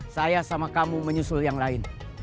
saya sama kamu menyusul yang lain